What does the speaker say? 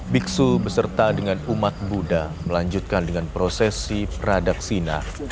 biksu beserta dengan umat buddha melanjutkan dengan prosesi pradaksina